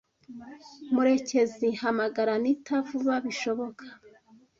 Murekezi , hamagara Anita vuba bishoboka.